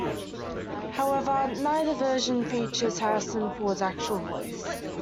However, neither version features Harrison Ford's actual voice.